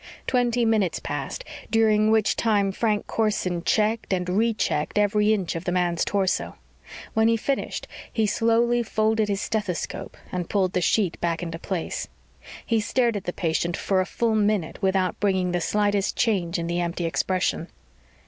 Twenty minutes passed, during which time Frank Corson checked and rechecked every inch of the man's torso. When he finished, he slowly folded his stethoscope and pulled the sheet back into place. He stared at the patient for a full minute without bringing the slightest change in the empty expression.